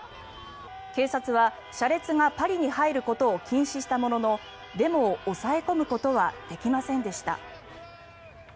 警察は車列がパリに入ることを禁止したもののデモを抑え込むことはできませんでした。